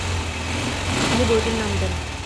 তিনি বইটির নাম দেন।